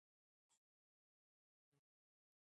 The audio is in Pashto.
احمد په مرغی د کاڼي گذار وکړ، بوڅه یې را وړوله.